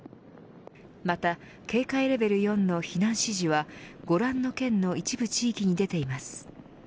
また、警戒レベル４の避難指示はご覧の県の一部地域に出ています。